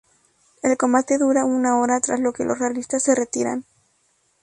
El combate dura una hora, tras lo que los realistas se retiran.